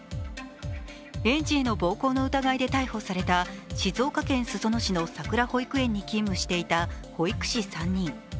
園児への暴行の疑いで逮捕された静岡県裾野市のさくら保育園に勤務していた保育士３人。